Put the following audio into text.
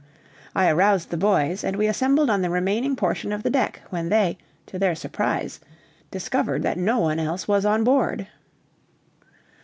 I aroused the boys, and we assembled on the remaining portion of the deck, when they, to their surprise, discovered that no one else was on board.